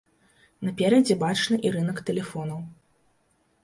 Наперадзе бачны і рынак тэлефонаў.